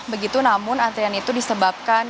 begitu namun antrian itu disebabkan